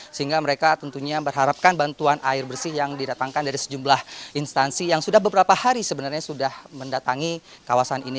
sehingga mereka tentunya berharapkan bantuan air bersih yang didatangkan dari sejumlah instansi yang sudah beberapa hari sebenarnya sudah mendatangi kawasan ini